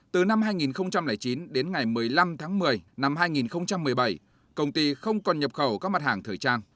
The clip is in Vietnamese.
từ năm hai nghìn chín đến ngày một mươi năm tháng một mươi năm hai nghìn một mươi bảy công ty không còn nhập khẩu các mặt hàng thời trang